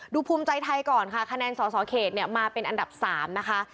ภูมิใจไทยก่อนค่ะคะแนนสสเขตมาเป็นอันดับ๓นะคะ